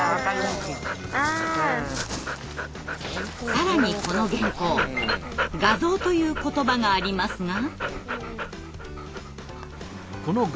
更にこの原稿「画像」という言葉がありますが。